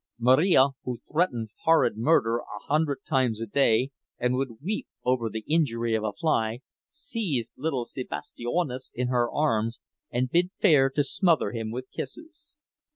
Marija, who threatened horrid murder a hundred times a day, and would weep over the injury of a fly, seized little Sebastijonas in her arms and bid fair to smother him with kisses.